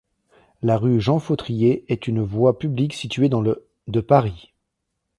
La rue Jean-Fautrier est une voie publique située dans le de Paris.